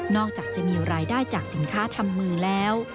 จากจะมีรายได้จากสินค้าทำมือแล้ว